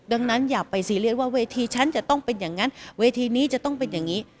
ดังนั้นอย่าไปซีเรียสว่าเวทีฉันจะต้องเป็นอย่างนั้นเวทีนี้จะต้องเป็นอย่างนี้